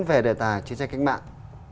về đại tài chiến tranh cách mạng